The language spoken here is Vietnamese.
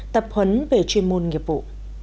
tập huấn về chuyên môn nghiệp vụ